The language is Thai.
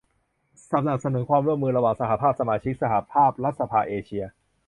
สนับสนุนความร่วมมือระหว่างสหภาพสมาชิกสหภาพรัฐสภาเอเชีย